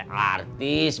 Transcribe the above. banyak yang ngomongin itu ji